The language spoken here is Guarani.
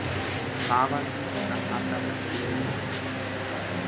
Mávandi aháta Brasilpe.